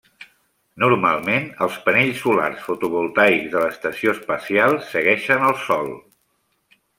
Normalment, els panells solars fotovoltaics de l'estació espacial segueixen al sol.